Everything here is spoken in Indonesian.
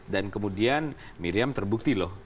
dan kemudian miriam terbukti loh